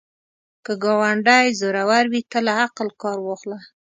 که ګاونډی زورور وي، ته له عقل کار واخله